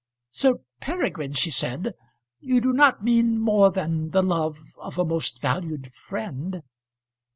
"Sir Peregrine," she said, "you do not mean more than the love of a most valued friend?"